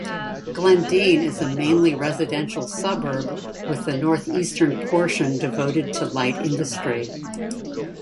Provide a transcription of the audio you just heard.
Glendene is a mainly residential suburb with the north-eastern portion devoted to light industry.